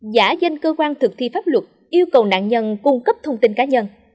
giả danh cơ quan thực thi pháp luật yêu cầu nạn nhân cung cấp thông tin cá nhân